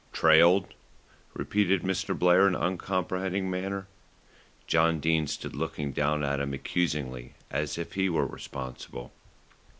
"Trailed," repeated Mr. Blair in an uncomprehending manner. John Dene stood looking down at him accusingly, as if he were responsible.